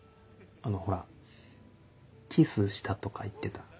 あのほらキスしたとか言ってた。